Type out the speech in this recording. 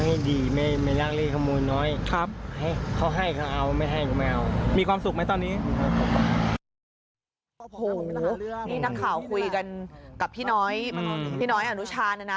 นี่นักข่าวคุยกันกับพี่น้อยพี่น้อยอนุชานะนะ